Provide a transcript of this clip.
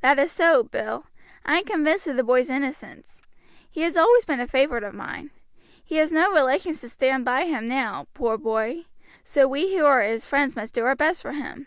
"That is so, Bill. I am convinced of the boy's innocence. He has always been a favorite of mine. He has no relations to stand by him now, poor boy, so we who are his friends must do our best for him."